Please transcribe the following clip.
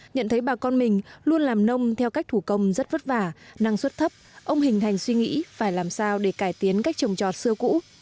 nhận thấy bà con mình luôn làm nông theo cách thủ công rất vất vả năng suất thấp ông hình thành suy nghĩ phải làm sao để cải tiến cách trồng trọt xưa cũ